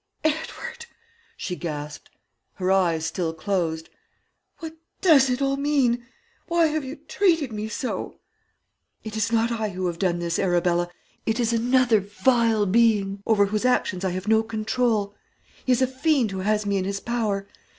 "'Edward!' she gasped, her eyes still closed. 'What does it all mean? Why have you treated me so?' "'It is not I who have done this Arabella; it is another vile being over whose actions I have no control. He is a fiend who has me in his power.